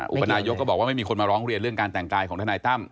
อุปนายกก็บอกว่าไม่มีคนมาร้องเรียนเรื่องการแต่งกายของทนายตั้ม